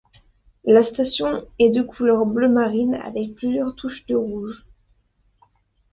La station est de couleur bleue marine avec plusieurs touches de rouge.